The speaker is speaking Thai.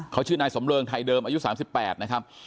เขาชื่อนายสมเริงไทยเดิมอายุสามสิบแปดนะครับ